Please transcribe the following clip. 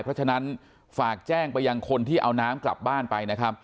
เพราะฉะนั้นฝากแจ้งไปยังคนที่เอาน้ำกลับบ้านไปนะครับ